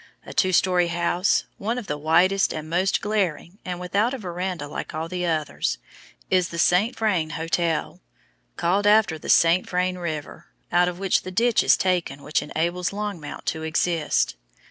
A two storey house, one of the whitest and most glaring, and without a veranda like all the others, is the "St. Vrain Hotel," called after the St. Vrain River, out of which the ditch is taken which enables Longmount to exist.